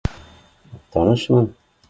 Танышмын